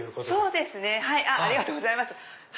そうですありがとうございます。